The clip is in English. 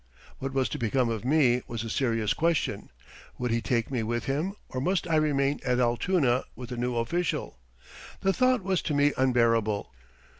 What was to become of me was a serious question. Would he take me with him or must I remain at Altoona with the new official? The thought was to me unbearable.